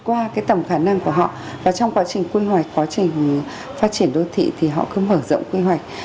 qua cái tổng khả năng của họ và trong quá trình quy hoạch quá trình phát triển đô thị thì họ cứ mở rộng quy hoạch